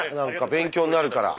勉強になるから。